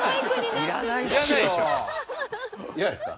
いらないですか？